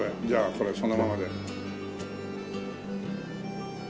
じゃあこれそのままで。